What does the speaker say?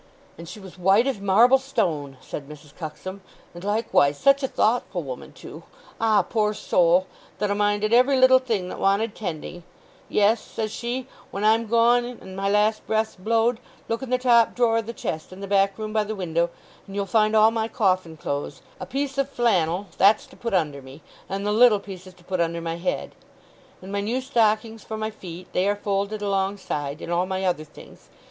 "And she was white as marble stone," said Mrs. Cuxsom. "And likewise such a thoughtful woman, too—ah, poor soul—that a' minded every little thing that wanted tending. 'Yes,' says she, 'when I'm gone, and my last breath's blowed, look in the top drawer o' the chest in the back room by the window, and you'll find all my coffin clothes, a piece of flannel—that's to put under me, and the little piece is to put under my head; and my new stockings for my feet—they are folded alongside, and all my other things.